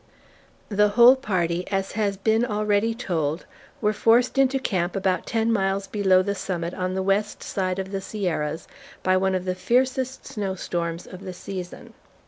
The whole party, as has been already told, were forced into camp about ten miles below the summit on the west side of the Sierras, by one of the fiercest snow storms of the season.